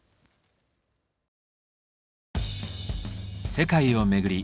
世界を巡り